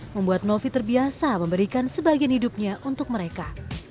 membuat novi terbiasa memberikan sebagian hidupnya untuk mereka